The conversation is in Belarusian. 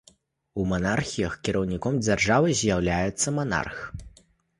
У манархіях кіраўніком дзяржавы з'яўляецца манарх.